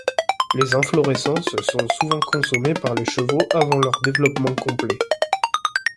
Les inflorescences sont souvent consommées par les chevaux avant leur développement complet.